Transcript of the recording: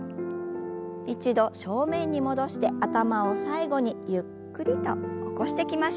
一度正面に戻して頭を最後にゆっくりと起こしてきましょう。